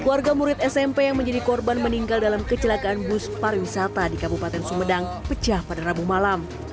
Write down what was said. keluarga murid smp yang menjadi korban meninggal dalam kecelakaan bus pariwisata di kabupaten sumedang pecah pada rabu malam